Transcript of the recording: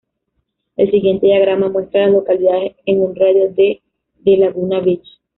El siguiente diagrama muestra a las localidades en un radio de de Laguna Beach.